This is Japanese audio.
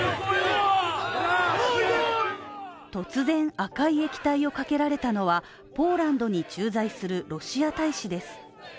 突然、赤い液体をかけられたのはポーランドに駐在するロシア大使です。